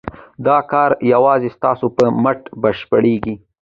دا کار یوازې ستاسو په مټ بشپړېږي.